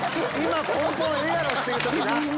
ポンポンええやろ！っていう時。